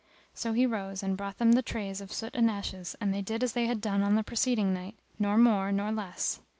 So he rose and brought them the trays of soot and ashes; and they did as they had done on the preceding night, nor more, nor less.